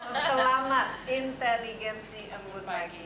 selamat intelijensi mbun pagi